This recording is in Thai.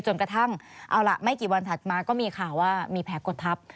จนกระทั่งเอาล่ะไม่กี่วันถัดมาก็มีข่าวว่ามีแผลกดทับ